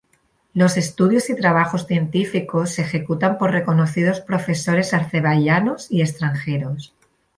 Los estudios y trabajos científicos se ejecutan por reconocidos profesores azerbaiyanos y extranjeros.